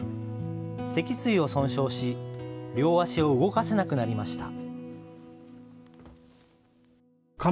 脊椎を損傷し両足を動かせなくなりました。